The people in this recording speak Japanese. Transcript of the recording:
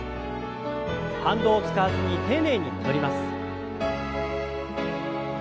反動を使わずに丁寧に戻ります。